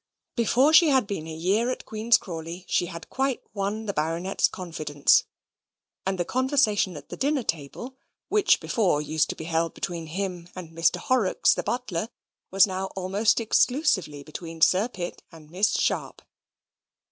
Before she had been a year at Queen's Crawley she had quite won the Baronet's confidence; and the conversation at the dinner table, which before used to be held between him and Mr. Horrocks the butler, was now almost exclusively between Sir Pitt and Miss Sharp.